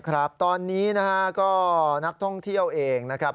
ครับตอนนี้นะฮะก็นักท่องเที่ยวเองนะครับ